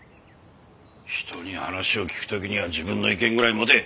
人に話を聞く時には自分の意見ぐらい持て。